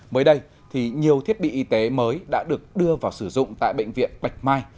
mới đây thì nhiều thiết bị y tế mới đã được đưa vào sử dụng tại bệnh viện bạch mai